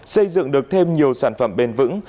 xây dựng được thêm nhiều sản phẩm bền vững